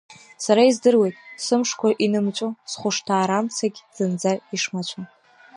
Сара издыруеит, сымшқәа инымҵәо, сыхәшҭаарамцагь зынӡа ишмыцәо.